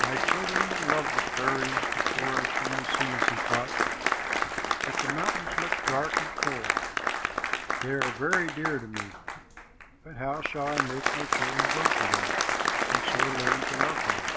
"My children will love the prairies, the forests, and the seas," he thought, "but the mountains look dark and cold. They are very dear to me, but how shall I make my children go to them and so learn to love them?"